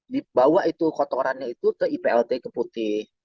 dibawa itu kotorannya itu ke iplt ke putih